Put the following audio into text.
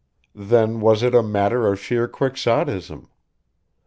Then was it a matter of sheer Quixotism!